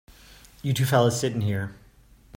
You two fellas sit in here.